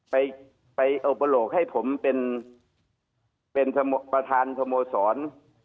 ไปเอาประโหลกให้ผมเป็นประธานสโมสร